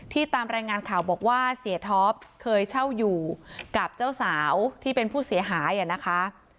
ตามรายงานข่าวบอกว่าเสียท็อปเคยเช่าอยู่กับเจ้าสาวที่เป็นผู้เสียหายนะคะ